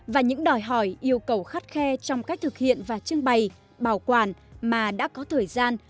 và những đòi hỏi yêu cầu khắt khe trong cách thực hiện và trưng bày bảo quản mà đã có thời gian